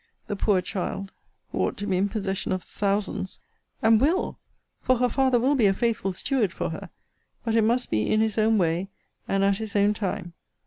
The poor child, who ought to be in possession of thousands! And will! For her father will be a faithful steward for her. But it must be in his own way, and at his own time.